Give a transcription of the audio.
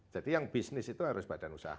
jadi yang bisnis itu harus badan usaha